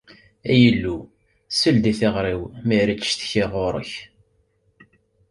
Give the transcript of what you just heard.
Ay Illu, sel-d i tiɣri-w, mi ara ttcetkiɣ ɣur-k!